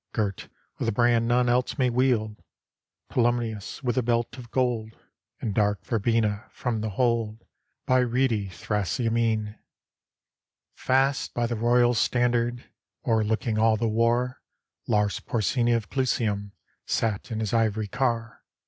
Girt with the brand none else may wield; Tolumnius with the belt of gold. And dark Verbenna from the hold By reedy Thrasymene. 275 ROME Fast by the royal standard, O'erlooking all the war, Lars Porsena of Clusium Sat in his ivory car.